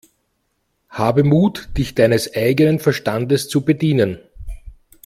Habe Mut, dich deines eigenen Verstandes zu bedienen!